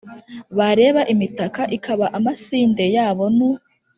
Bareba imitaka, ikaba amasinde yabo nu :